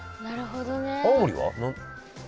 なるほどね。